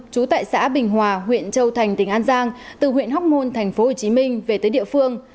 trú tại xã bình hòa huyện châu thành tỉnh an giang từ huyện hóc môn tp hcm về tới địa phương